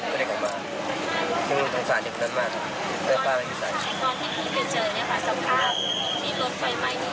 ถึงรถคลัยไปกินอยู่ไงนะ